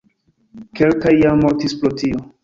Kelkaj jam mortis pro tio.